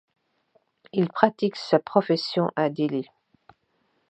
Il pratique sa profession à Delhi.